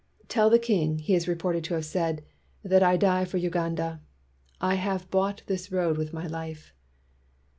'Tell the king,' — he is re ported to have said, — 'that I die for Uganda. I have bought this road with my life.